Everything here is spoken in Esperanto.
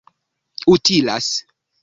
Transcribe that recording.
utilas